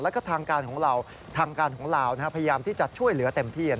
แล้วก็ทางการของเราพยายามที่จะช่วยเหลือเต็มที่